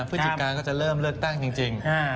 พฤศจิกาก็จะเริ่มเลือกตั้งจริง